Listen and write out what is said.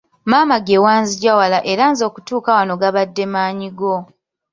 Maama gye wanzigya wala era nze okutuuka wano gabadde maanyi go.